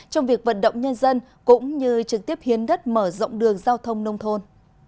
trong việc vận động nhân dân cũng như trực tiếp hiến đất mở rộng đường giao thông nông thôn